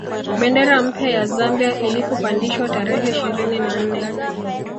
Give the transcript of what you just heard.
Bendera mpya ya Zambia ilipopandishwa tarehe ishirini na nne